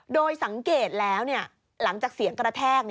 โดยสังเกตแล้วหลังจากเสียงกระแทก